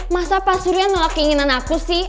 masa pak surya nolak keinginan aku sih